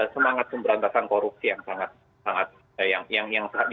semangat pemberantasan korupsi yang sangat